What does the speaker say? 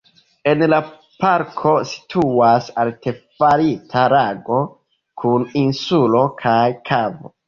En la parko situas artefarita lago kun insulo kaj kavo.